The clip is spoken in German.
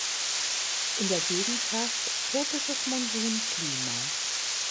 In der Gegend herrscht tropisches Monsunklima.